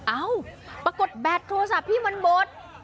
เอ้าปรากฏแบตโทรศัพท์พี่มันหมด